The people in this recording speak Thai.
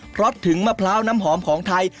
เพราะถึงมะพร้าวน้ำหอมของไทย